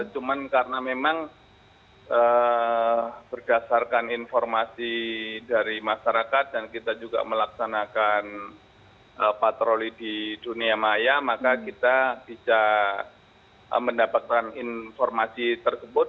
cuma karena memang berdasarkan informasi dari masyarakat dan kita juga melaksanakan patroli di dunia maya maka kita bisa mendapatkan informasi tersebut